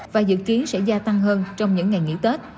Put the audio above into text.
và dự kiến sẽ gia tăng hơn trong những ngày nghỉ tết